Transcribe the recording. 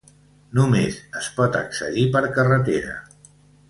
Només es pot accedir per carretera.